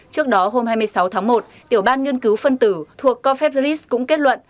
trước đó hôm hai mươi sáu tháng một tiểu ban nghiên cứu phân tử thuộc confebris cũng kết luận